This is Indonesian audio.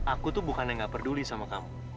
aku tuh bukan yang gak peduli sama kamu